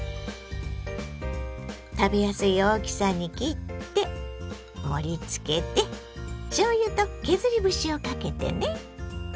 食べやすい大きさに切って盛りつけてしょうゆと削り節をかけてね。